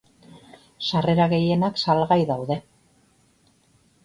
Sarrera gehienak salgai daude.